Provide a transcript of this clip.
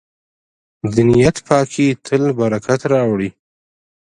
د نیت پاکي تل برکت راوړي.